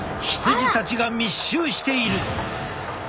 羊たちが密集している。